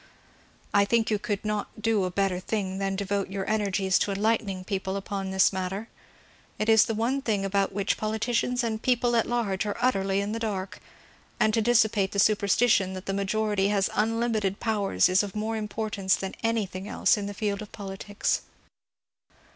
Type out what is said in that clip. I think you could not do a better thing than devote your energies to enlightening people upon this matter. It is the one thing about which politicians and people at large are utterly in the dark ; and to dissipate the superstition that the majority has unlimited powers is of more importance than anything else in the field of politics.